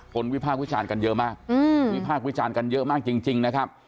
คนวิภาควิจารณ์กันเยอะมากอืมวิภาควิจารณ์กันเยอะมากจริงจริงนะครับ